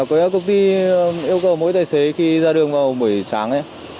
công ty yêu cầu mỗi tài xế khi ra đường vào buổi sáng